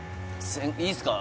いいっすか？